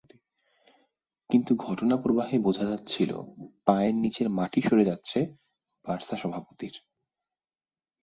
কিন্তু ঘটনাপ্রবাহে বোঝা যাচ্ছিল, পায়ের নিচের মাটি সরে যাচ্ছে বার্সা সভাপতির।